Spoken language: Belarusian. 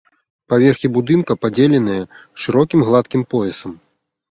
Паверхі будынка падзеленыя шырокім гладкім поясам.